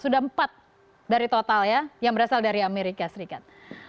sudah empat dari total ya yang berasal dari amerika serikat